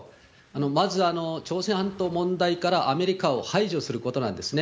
まず朝鮮半島問題からアメリカを排除することなんですね。